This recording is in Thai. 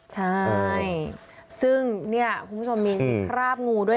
ใช่ซึ่งเนี่ยคุณผู้ชมมีคราบงูด้วย